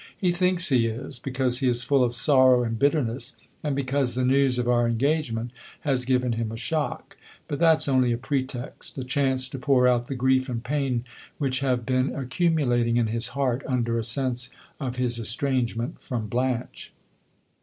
He thinks he is, because he is full of sorrow and bitterness, and because the news of our engagement has given him a shock. But that 's only a pretext a chance to pour out the grief and pain which have been accumulating in his heart under a sense of his estrangement from Blanche.